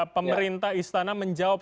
pemerintah istana menjawab